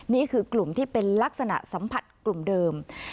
นี่คือกลุ่มที่เป็นลักษณะสัมผัสกลุ่มเดิม